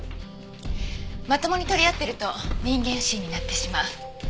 まともに取り合ってると人間不信になってしまう。